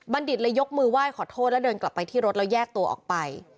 ดิตเลยยกมือไหว้ขอโทษแล้วเดินกลับไปที่รถแล้วแยกตัวออกไป